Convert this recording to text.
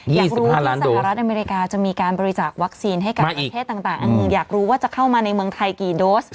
อยากรู้ว่าสหรัฐอเมริกาจะมีการบริจาควัคซีนให้กับประเทศต่างอยากรู้ว่าจะเข้ามาในเมืองไทยกี่โดส